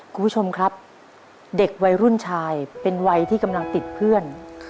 คุณผู้ชมครับเด็กวัยรุ่นชายเป็นวัยที่กำลังติดเพื่อน